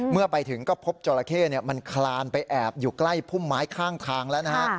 เมื่อไปถึงก็พบจราเข้มันคลานไปแอบอยู่ใกล้พุ่มไม้ข้างทางแล้วนะฮะ